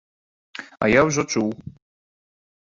А я ўжо чуў.